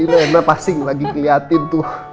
rena pasti lagi ngeliatin tuh